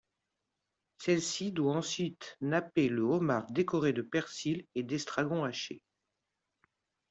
Celle-ci doit ensuite napper le homard décoré de persil et d'estragon hachés.